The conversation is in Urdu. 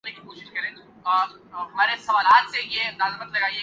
بنگلہ دیش کا معیاری وقت